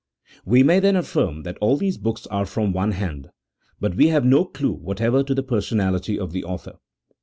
We may, then, affirm that all these books are from one hand ; but we have no clue whatever to the personality of the author.